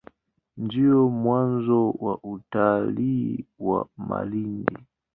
Ndio mwanzo wa utalii wa Malindi.